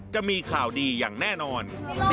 จะมีข่าวดีอย่างแน่นอน